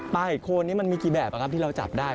ปลาเห็ดโคลมันมีใกล้แบบที่เราจับได้